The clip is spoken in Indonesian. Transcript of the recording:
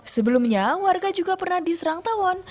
sebelumnya warga juga pernah diserang tawon